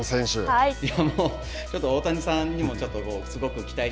はい。